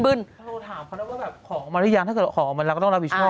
ถ้าเราถามเขาแล้วว่าของออกมาได้ยังถ้าเกิดของออกมาแล้วก็ต้องรับผิดชอบ